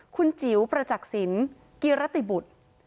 คุณจิ๋วประจักษิณกิรติบุตร